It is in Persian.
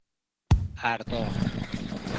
اَردا